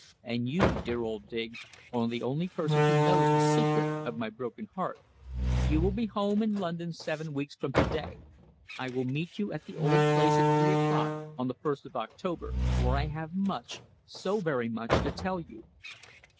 And you, dear old Dig, are the only person who knows the secret of my broken heart. You will be home in London seven weeks from to day. I will meet you at the old place at three o'clock on the first of October, for I have much so very much to tell you.